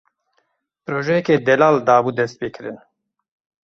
Projeyeke delal dabû destpêkirin.